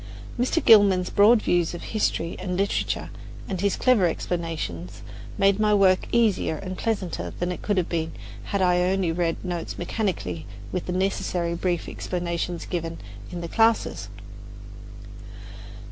Mr. Gilman's broad views of history and literature and his clever explanations made my work easier and pleasanter than it could have been had I only read notes mechanically with the necessarily brief explanations given in the classes.